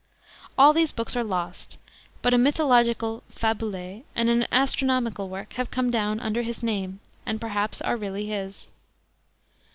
All these books are lost, but a mythological (Fabulai) and an astronomical work have come down under his name, and perhaps are really his.